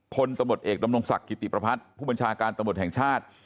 พลตำรวจเอกดำรงศักดิ์กิติประพัฒน์ผู้บัญชาการตำรวจแห่งชาติ